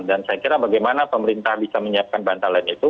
dan saya kira bagaimana pemerintah bisa menyiapkan bantalan itu